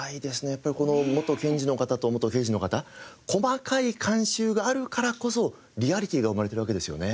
やっぱり元検事の方と元刑事の方細かい監修があるからこそリアリティーが生まれてるわけですよね。